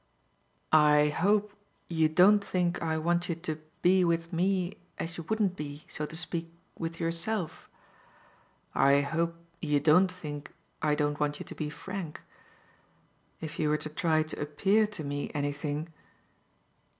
"I hope you don't think I want you to be with me as you wouldn't be so to speak with yourself. I hope you don't think I don't want you to be frank. If you were to try to APPEAR to me anything